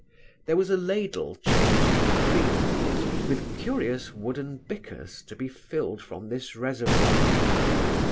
There was a ladle chained to the cream kit, with curious wooden bickers to be filled from this reservoir.